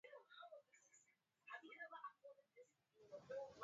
Magari ya kisasa.